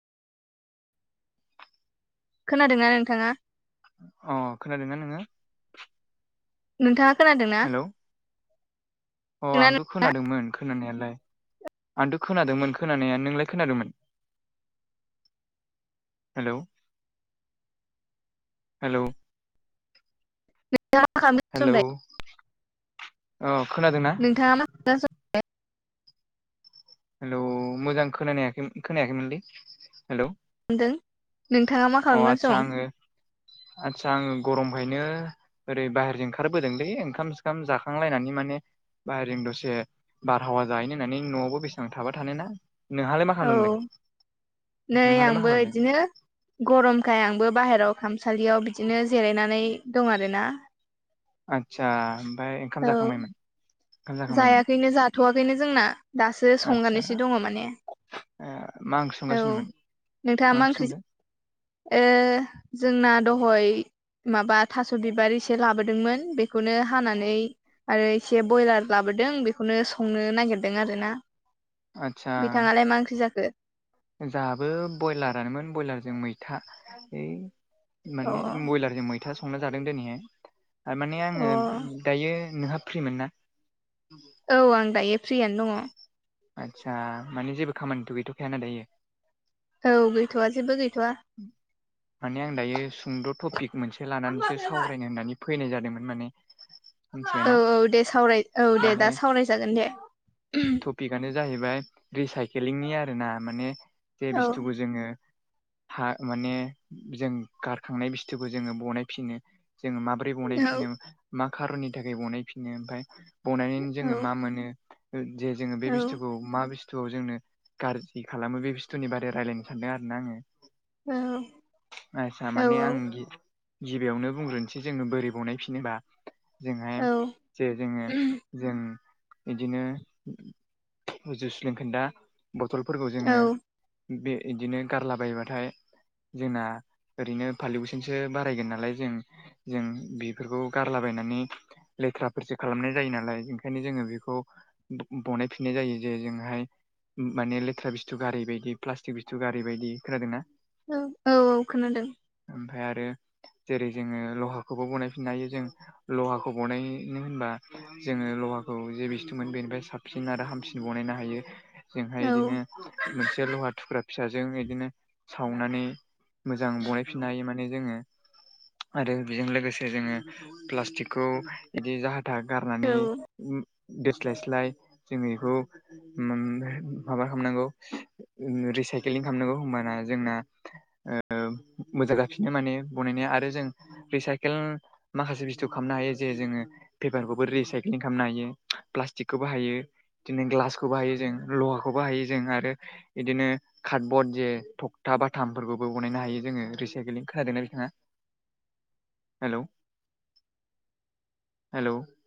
खोनादोंना नोंथाङा? अ खोनादोंना नोङो? नोंथाङा खोनादों ना? हेलौ अ आंथ' खोनादोंमोन खोनानायालाय। आंथ' खोनादोंमोन खोनानाया नोंलाय खोनादों हेलव हेलव! [unintelligible] हेलौ अ खोनादोंना? नोंथाङा मा [unintelligible] हेलौ मोजां खोनानायाखैमोन खोनायाखैमोनलै, हेलौ? दों नोंथाङा मा अ खालामदों आदसा सं? आङो आदसा आङो गरमखायनो ओरै बाहेरजों ओंखारबोदोंलै ओंखाम सोंखाम जाखांलायनानै माने बाहेरं दसे बारहावा जाहैनो होननानै, न'आवबो बेसेबां थाबाय थानो ना? नोंहालाय मा औ खालामदों माने, नै नोंहालाय मा आंबो खालामदों? इदिनो गरमखाय आंबो बाहेरायाव खामसालियाव बिदिनो जिरायनानै दं आरो ना। आतसा ओमफ्राय ओंखाम औ जाखांबायमोन ओंखाम जाखांबायमोन जायाखैनो जा थ'वाखैनो जोंना, दासो आदसा संनानैसो दङ माने। मा ओंख्रि औ संगासिनोमोन, मा ओंख्रि संदों? ओ जोंना दहय माबा थास' बिबार एसे लाबोदोंमोन बेखौनो हानानै आरो एसे ब्रयलार लाबोदों बेखौनो संनो नागिरदों आरो ना। आतसा! ओ जाहाबो ब्रयलारानोमोन, ब्रयलारजों मैथा इ अ माने बयलारजों मैथा संना जादों दिनैहाय, थारमाने अ आङो दायो नोंहा फ्रिमोन ना? औ आं दायो फ्रियानो दङ। आतसा माने जेबो खामानिथ' गैथ'खायाना दायो? औ गैथ'वा जेबो गैथ'वा। माने आं दायो सुंद' टपिक मोनसे लानानैसो सावरायनो होननानै फैनाय जादोंमोन माने। औ मिथिबायना औ दे सावराय औ दे माने दा सावरायजागोन दे। टपिकआनो जाहैबाय रिसाइकेलिंनि आरो ना माने जे औ बुस्थुखौ जोङो हा माने जों गारखांनाय बुस्थुखौ जोङो बनाय फिनो जोङो मा बोरै औ बनायफिनो, मा खारननि थाखाय बनायफिनो, ओमफ्राय बनायनानै औ जोङो मा मोनो जे जोङो बे औ बुस्थुखौ मा बुस थुआव जोंनो गाज्रि खालामो, बे बुस्तुनि बारै रायज्लायनो सानदों आरो ना आङो। औ आदसा औ माने आं गिबियावनो बुंग्रोनोसै जोङो बोरै बावनायफिनो होनबा जोंहा औ जे जोङो जों बिदिनो जुइस लोंखोन्दा बथलफोरखौ औ जोङो बे इदिनो गारला बायोबाथाय जोंना ओरैनो पलिउसनसो बारायगोन नालाय जों जों बेफोरखौ गारलाबायनानै लेथ्राफोरसो खालामनाय जायो नालाय, ओंखायनो जोङो बेखौ बनायफिननाय जायो जे जोङोहाय माने लेथ्रा बुस्थु गारि बायदि प्लास्टिक बुस्थु गारि बायदि, खोनादोंना? औ औ औ खोनादों। ओमफ्राय आरो जेरै जोङो लहाखौबो बनायफिननो हायो जों। लहाखौ बनायनो होनबा जोङो लहाखौ जे बिस्थुमोन बे ओमफ्राय साबसिन आरो हामसिन बनायनो हायो जोंहाय औ बिदिनो मोनसे लहा थुख्रा फिसाजों बिदिनो सावनानै मोजां बनायफिननो हायो माने जोङो। आरो बेजों लोगोसे जोङो प्लास्टिकखौ बिदि जाहा थाहा गारनानै औ ओ दोस्लायस्लाय जोङो बेखौ ओ माबा खालामनांगौ रिसाइक्लिं खालामनांगौ होमबाना जोंना। ओ औ मोजां जाफिनो माने बनायनाया आरो जों रिसाइकेल माखासे बुस्थु खालामनो हायो जे जोङो पेपारखौबो रिसाइक्लिं खालामनो हायो प्लास्टिकखौबो हायो। बिदिनो ग्लासखौ बोहायो जों लहाखौ बाहायो जों आरो बिदिनो। कार्डबर्ड जे थखथा बाथामफोरखौबो बनायनो हायो जोङो रिसाइक्लिं खोनादोंना बिथाङा। Hello hello.